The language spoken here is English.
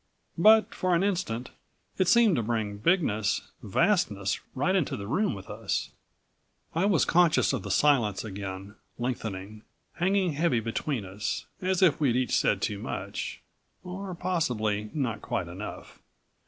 But for an instant it seemed to bring bigness, vastness right into the room with us. I was conscious of the silence again, lengthening, hanging heavy between us, as if we'd each said too much, or possibly ... not quite enough.